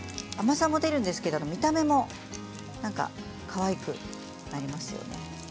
甘さも出るんですけど見た目もかわいくなります。